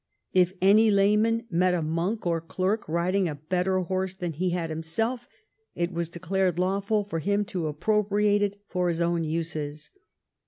If any layman met a monk or clerk riding a better horse than he had himself, it was declared lawful for him to appropriate it for his own uses.